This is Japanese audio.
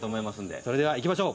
それではいきましょう。